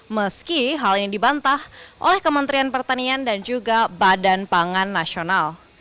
meski hal ini dibantah oleh kementerian pertanian dan juga badan pangan nasional